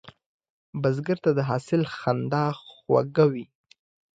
بزګر ته د حاصل خندا خوږه وي